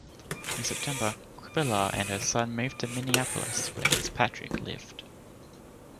In September, Qubilah and her son moved to Minneapolis, where Fitzpatrick lived.